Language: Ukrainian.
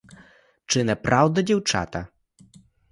Чи не правда, дівчата?